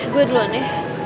gue duluan ya